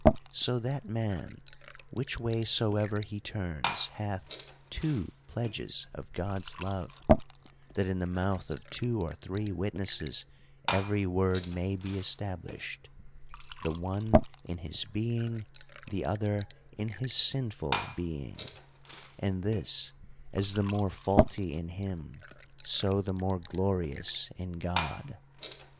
So that man, which way soever he turns, hath two pledges of God's love (that in the mouth of two or three witnesses every word may be established) : the one in his being, the other in his sinful being: and this, as the more faulty in him, so the more glorious in God.